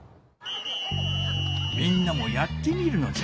みんなもやってみるのじゃ。